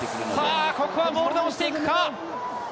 さあ、ここはモールで押していくか。